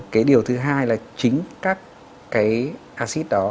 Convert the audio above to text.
cái điều thứ hai là chính các cái acid đó